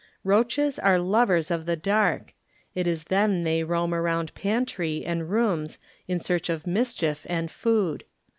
Roaches are lovers of the dark; it is then they roam around pantry and rooms in search of mischief and food.